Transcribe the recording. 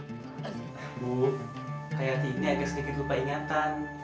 bu kayak yati ini agak sedikit lupa ingatan